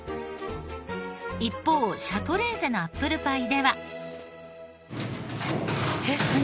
一方シャトレーゼのアップルパイでは。